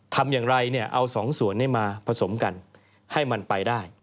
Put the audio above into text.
ทำอย่างไรเอาสองส่วนมาผสมกันให้มันไปได้